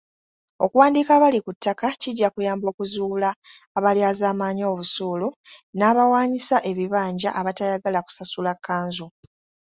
Okuwandiika abali ku ttaka kijja kuyamba okuzuula abalyazaamaanya obusuulu n'abawaanyisa ebibanja abatayagala kusasula kkanzu.